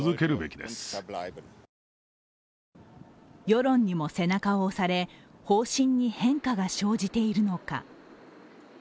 世論にも背中を押され方針に変化が生じているのか。